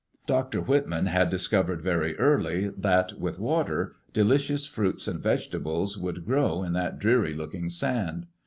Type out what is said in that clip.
Dr. Whitman had discovered very early that, with water, delicious fruits and vegetables would grow in that dreary looking sand.